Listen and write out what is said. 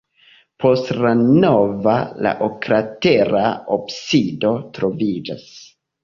Post la navo la oklatera absido troviĝas.